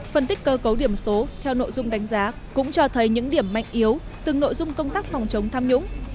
phân tích cơ cấu điểm số theo nội dung đánh giá cũng cho thấy những điểm mạnh yếu từng nội dung công tác phòng chống tham nhũng